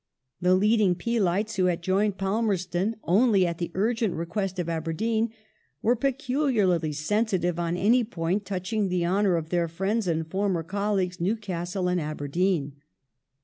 The leading Peelites, who had joined Palmerston only at the urgent request of Aberdeen, were peculiarly sensitive on any point touching the honour of their friends and former colleagues, Newcastle and Aberdeen.